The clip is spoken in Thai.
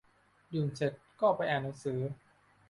ดื่มเสร็จก็ไปอ่านหนังสือ